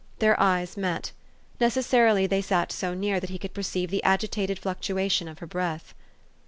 Their eyes met. Necessarily they sat so near, that he could perceive the agitated fluctuation of her breath.